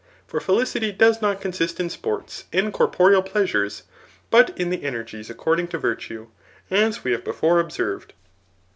For felicity does not consist in sports and corporeal pleasures, but in the energies according to virtue, as we have before ob served.